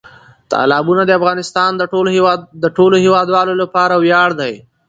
تالابونه د افغانستان د ټولو هیوادوالو لپاره ویاړ دی.